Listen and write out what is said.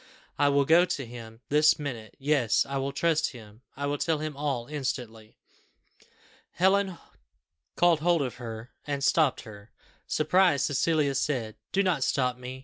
I will go to him this minute; yes, I will trust him I will tell him all instantly." Helen caught hold of her, and stopped her. Surprised, Cecilia said, "Do not stop me.